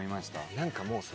何かもうさ。